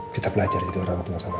kita belajar jadi orang tua sama sama ya